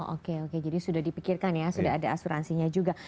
oke oke jadi sudah dipikirkan ya sudah ada asuransinya juga